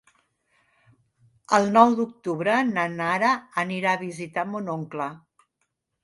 El nou d'octubre na Nara anirà a visitar mon oncle.